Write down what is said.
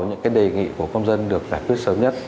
những cái đề nghị của công dân được giải quyết sớm nhất